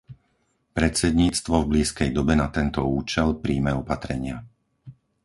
Predsedníctvo v blízkej dobe na tento účel prijme opatrenia.